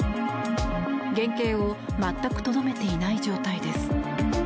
原形を全くとどめていない状態です。